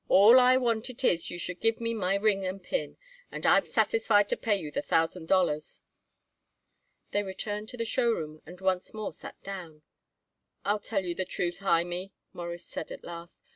All I want it is you should give me my ring and pin, and I am satisfied to pay you the thousand dollars." They returned to the show room and once more sat down. "I'll tell you the truth, Hymie," Morris said at last.